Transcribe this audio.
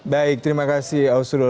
baik terima kasih